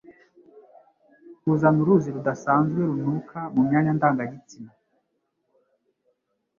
Kuzana uruzi rudasanzwe runuka mu myanya ndanga gitsina